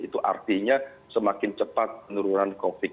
itu artinya semakin cepat menurunan covid sembilan belas